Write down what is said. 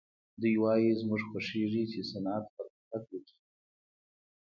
دوی وايي زموږ خوښېږي چې صنعت پرمختګ وکړي